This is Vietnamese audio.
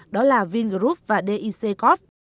đó là vingroup và dic corp